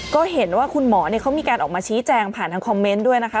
ก็เห็นว่าคุณหมอเขามีการออกมาชี้แจงผ่านทางคอมเมนต์ด้วยนะคะ